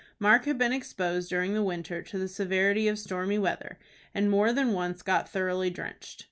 Mark had been exposed during the winter to the severity of stormy weather, and more than once got thoroughly drenched.